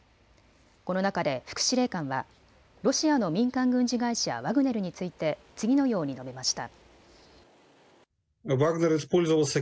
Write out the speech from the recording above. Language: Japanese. この中で副司令官はロシアの民間軍事会社ワグネルについて次のように述べました。